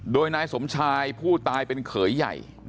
โดยนายสมชายผู้ตายเป็นเขยใหญ่